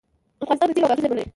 افغانستان د تیلو او ګازو زیرمې لري